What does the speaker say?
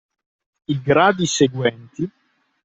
I gradi seguenti